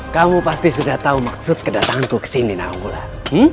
kamu pasti sudah tahu maksud kedatanganku ke sini nawulan